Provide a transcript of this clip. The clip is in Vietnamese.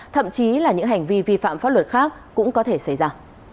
thậm chí là những hành vi vi phạm pháp luật khác cũng có thể xảy ra